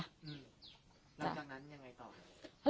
แล้วจากนั้นไม่อย่างไรต่อ